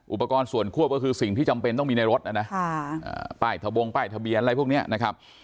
อุปกรณ์ส่วนควบก็คือสิ่งที่จำเป็นต้องมีในรถนะนะป้ายทะบงป้ายทะเบียนอะไรพวกนี้นะครับ